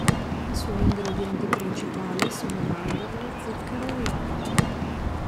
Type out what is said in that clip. I suoi ingredienti principali sono mandorle, zucchero e uova.